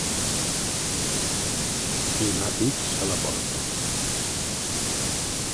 Donar pics a la porta.